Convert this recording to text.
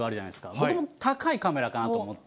僕も高いカメラかなと思って。